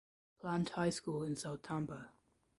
Plant High School in South Tampa.